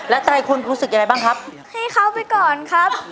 และใจคุณรู้สึกยังไงบ้างครับให้เข้าไปก่อนครับ